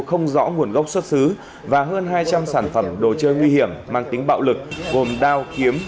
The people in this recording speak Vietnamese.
không rõ nguồn gốc xuất xứ và hơn hai trăm linh sản phẩm đồ chơi nguy hiểm mang tính bạo lực gồm đao kiếm